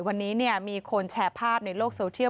วันนี้มีคนแชร์ภาพในโลกโซเทียล